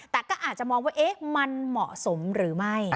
แต่ก็อาจจะมองว่ามันเหมาะสมหรือไม่